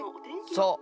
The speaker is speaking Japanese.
そう。